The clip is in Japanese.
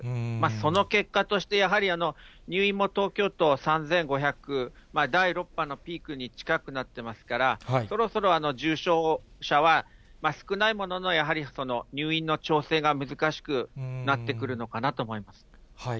その結果として、やはり入院も東京都は３５００、第６波のピークに近くなってますから、そろそろ重症者は少ないものの、やはり入院の調整が難しくなってくるのかなと思います。